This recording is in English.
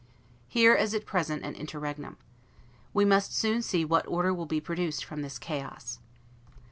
Here is at present an interregnum. We must soon see what order will be produced from this chaos.